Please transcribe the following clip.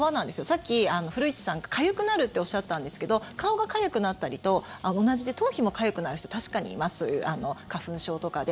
さっき古市さんがかゆくなるっておっしゃったんですけど顔がかゆくなったりと同じで頭皮もかゆくなる人確かにいます、花粉症とかで。